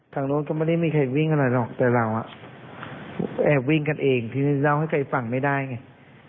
รถก็ไม่ได้มีใครวิ่งอะไรหรอกแต่เราแอบวิ่งกันเองทีนี้เล่าให้ใครฟังไม่ได้ไง